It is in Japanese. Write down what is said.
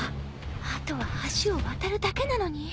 あとは橋を渡るだけなのに。